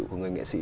của người nghệ sĩ